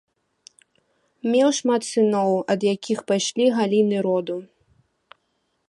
Меў шмат сыноў, ад якіх пайшлі галіны роду.